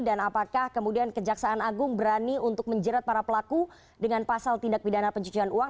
apakah kemudian kejaksaan agung berani untuk menjerat para pelaku dengan pasal tindak pidana pencucian uang